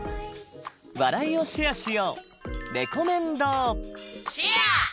笑いをシェアしよう「シェア！」。